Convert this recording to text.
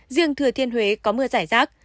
riêng thừa thiên huế có mưa rải rác